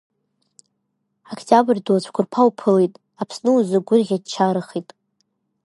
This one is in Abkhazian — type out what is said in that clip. Октиабр ду ацәкәырԥқәа уԥылеит, Аԥсны узы гәырӷьа-ччарахеит.